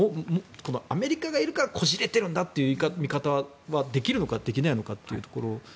アメリカがいるからこじれているんだという見方はできるのかできないのかというところ。